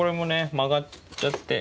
曲がっちゃって。